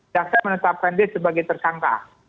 jaksa menetapkan dia sebagai tersangka